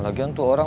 lagian tuh orang